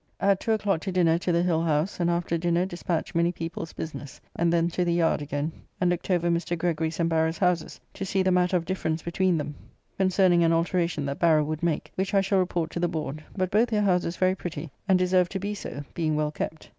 At two o'clock to dinner to the Hill house, and after dinner dispatched many people's business, and then to the yard again, and looked over Mr. Gregory's and Barrow's houses to see the matter of difference between them concerning an alteration that Barrow would make, which I shall report to the board, but both their houses very pretty, and deserve to be so, being well kept.